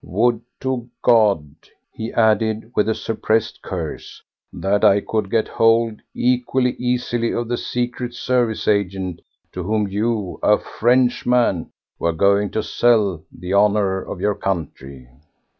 Would to God," he added with a suppressed curse, "that I could get hold equally easily of the Secret Service agent to whom you, a Frenchman, were going to sell the honour of your country!"